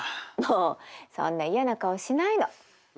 もうそんな嫌な顔しないの。